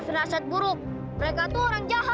ferasat buruk mereka orang jahat